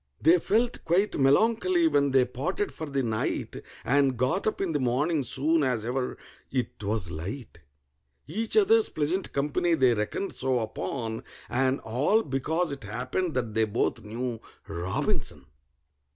They felt quite melancholy when they parted for the night, And got up in the morning soon as ever it was light; Each other's pleasant company they reckoned so upon, And all because it happened that they both knew ROBINSON!